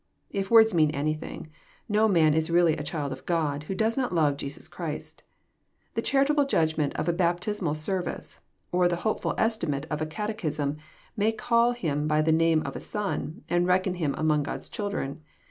If words mean anything, no man is really a child of God, who does not love Jesus Christ. The charitable judgment of a baptismal service, or the hopeful estimate of a cate chism, may call him by the name of a son, and reckon him any>ng God's children.